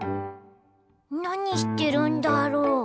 なにしてるんだろ？